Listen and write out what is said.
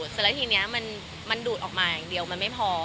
เสร็จแล้วทีนี้มันดูดออกมาอย่างเดียวมันไม่พอ